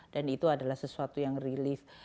dan itu adalah sesuatu yang relief